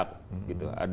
ada yang berpihak